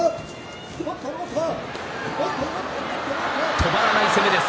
止まらない攻めです